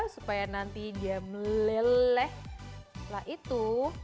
supaya nanti dia meleleh setelah itu